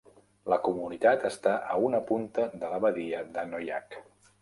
La comunitat està a una punta de la badia de Noyac.